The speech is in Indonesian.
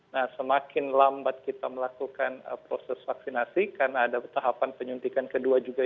nah semakin lambat kita melakukan proses vaksinasi karena ada tahapan penyuntikan kedua juga